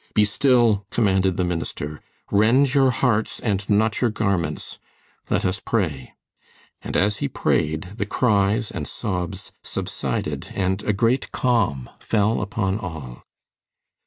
"Be still," commanded the minister. "Rend your hearts and not your garments. Let us pray." And as he prayed, the cries and sobs subsided and a great calm fell upon all.